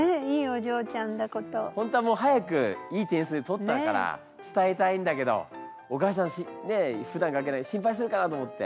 本当はもう早くいい点数取ったから伝えたいんだけどお母さんにふだんかけない心配するかなと思って。